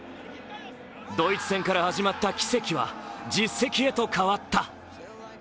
ドイツ戦から始まった奇跡は実績へと変わった。